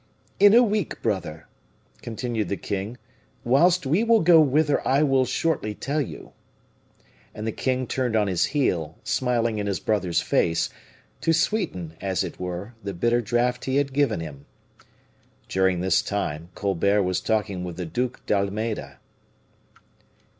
"In a week, brother," continued the king, "whilst we will go whither I will shortly tell you." And the king turned on his heel, smiling in his brother's face, to sweeten, as it were, the bitter draught he had given him. During this time Colbert was talking with the Duc d'Almeda.